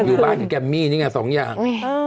อยู่บ้านของแกมมี่นี่ไงสองอย่าง